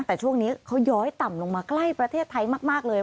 แต่ช่วงนี้เขาย้อยต่ำลงมาใกล้ประเทศไทยมากเลย